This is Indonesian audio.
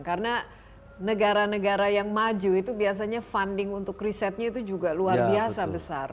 karena negara negara yang maju itu biasanya funding untuk risetnya itu juga luar biasa besar